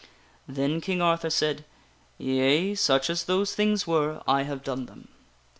Then King Arthur said :" Yea ; such as those things were, I have done them."